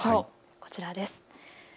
こちらです。